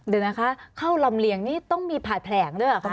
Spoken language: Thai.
เดี๋ยวนะคะเข้าลำเลียงนี่ต้องมีผาดแผลงด้วยเหรอ